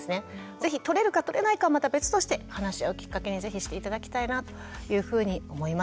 是非取れるか取れないかはまた別として話し合うきっかけに是非して頂きたいなというふうに思います。